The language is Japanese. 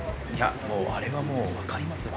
あれはもう分かりますわ。